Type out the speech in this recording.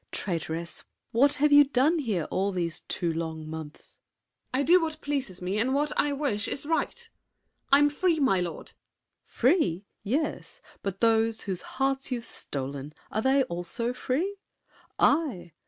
Traitress, What have you done here all these two long months? MARION. I do what pleases me, and what I wish Is right. I'm free, my lord! SAVERNY. Free! Yes. But those Whose hearts you've stolen, are they also free? I?